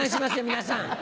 皆さん。